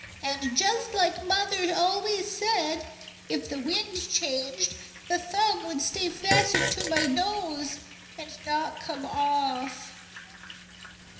And just like mother always said, if the wind changed the thumb would stay fastened to my nose and not come off."